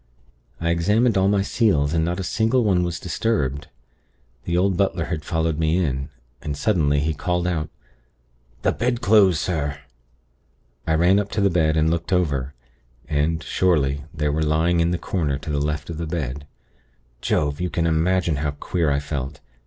I examined all my seals, and not a single one was disturbed. The old butler had followed me in, and, suddenly, he called out: 'The bedclothes, sir!' "I ran up to the bed, and looked over; and, surely, they were lying in the corner to the left of the bed. Jove! you can imagine how queer I felt.